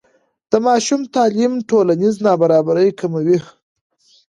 د ماشوم تعلیم ټولنیز نابرابري کموي.